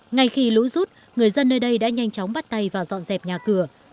ngày khi lũ rút người dân nơi đây đã nhanh chóng bắt tay và dọn dẹp nhà cửa